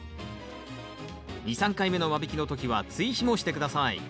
２３回目の間引きの時は追肥もして下さい。